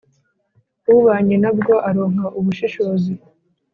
ubanye na bwo aronka ubushishozi,